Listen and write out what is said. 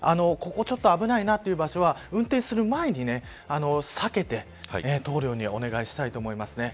ここちょっと危ないなという場所は運転する前に、避けて通るようにお願いしたいと思います。